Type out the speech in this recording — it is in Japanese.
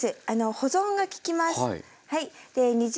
保存が利きます。